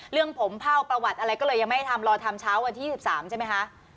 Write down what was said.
เรื่องผมเผ่าประวัติอะไรก็เลยยังไม่ทำรอทำเช้าวันที่๑๓ใช่ไหมคะ